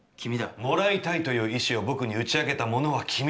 「貰いたいという意志を僕に打ち明けたものは君だ」。